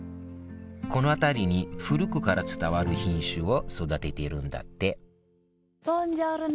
この辺りに古くから伝わる品種を育てているんだってボンジョルノ。